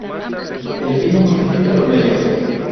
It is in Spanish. El fin justifica los medios